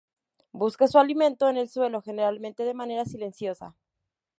Busca su alimento en el suelo, generalmente de manera silenciosa.